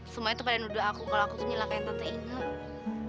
semuanya tuh pada nuduh aku kalau aku tuh nyelang kayak tante inga